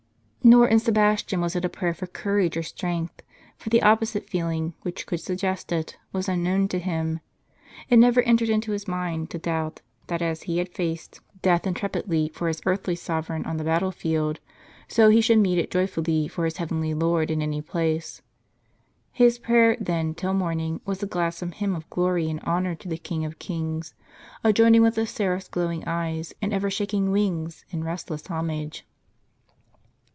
JSTor in Sebastian was it a prayer for courage or strength ; for the opposite feeling, which could suggest it, was unknown to him. It never entered into his mind to doubt, that as he had faced death intrepidly for his earthly sovereign on the battle field, so he should meet it joyfully for his heavenly Lord, in any place. His prayer, then, till morning, was a gladsome hymn of glory and honor to the King of kings, a joining with the seraph's glowing eyes, and ever shaking Avings, in restless homage.